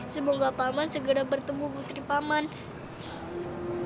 semoga paman segera bertemu putri paman